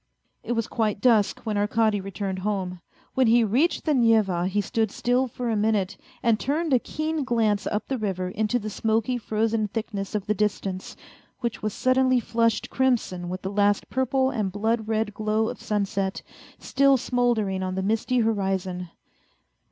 It was quite dusk when Arkady returned home. When he reached the Neva he stood still for a minute and turned a keen glance up the river into the smoky frozen thickness of the distance, which was suddenly flushed crimson with the last purple and blood red glow of sunset, still smouldering on the misty horizon.